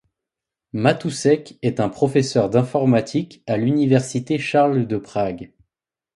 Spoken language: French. Matousek est professeur d’informatique à l’université Charles de Prague.